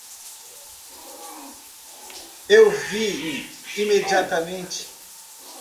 Eu vim imediatamente.